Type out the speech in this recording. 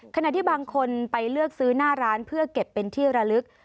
ขณะที่บางคนไปเลือกซื้อหน้าร้านเพื่อเก็บเป็นที่ระลึก